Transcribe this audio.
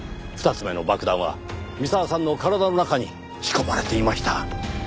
２つ目の爆弾は三沢さんの体の中に仕込まれていました。